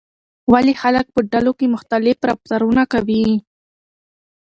ولې خلک په ډلو کې مختلف رفتارونه کوي؟